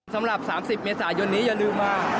สำหรับ๓๐เมษายนนี้อย่าลืมว่า